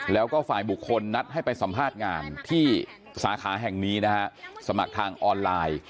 แล้วก็ฝ่ายบุคคลนัดให้ไปสัมภาษณ์งานที่สาขาแห่งนี้นะฮะสมัครทางออนไลน์